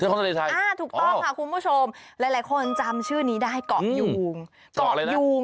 ท้องทะเลไทยอ้าวถูกต้องค่ะคุณผู้ชมหลายคนจำชื่อนี้ได้เกาะยูง